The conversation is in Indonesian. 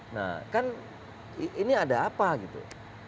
nah kan ini ada apa gitu